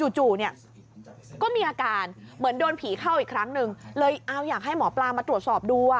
จู่เนี่ยก็มีอาการเหมือนโดนผีเข้าอีกครั้งหนึ่งเลยเอาอยากให้หมอปลามาตรวจสอบดูอ่ะ